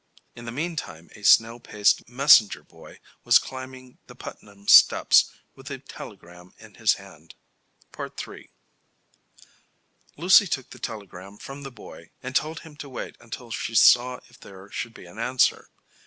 In the meantime a snail paced messenger boy was climbing the Putnam steps with the telegram in his hand. III Lucy took the telegram from the boy and told him to wait until she saw if there should be an answer.